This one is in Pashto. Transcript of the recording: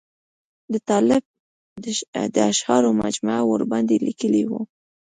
د طالب د اشعارو مجموعه ورباندې لیکلې وه.